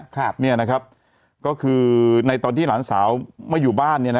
ครับเนี่ยนะครับก็คือในตอนที่หลานสาวไม่อยู่บ้านเนี่ยนะ